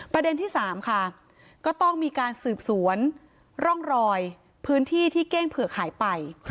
ประเด็นที่๓ค่ะก็ต้องมีการสืบสวนร่องรอยพื้นที่ที่เก้งเผือกหายไป